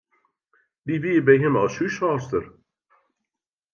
Dy wie by him as húshâldster.